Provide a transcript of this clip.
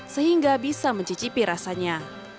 sehingga bisa mencicipi rasanya